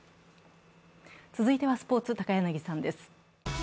続いてスポーツ、高柳さんです。